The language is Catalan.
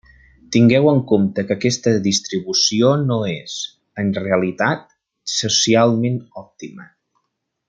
Tingueu en compte que aquesta distribució no és, en realitat, socialment òptima.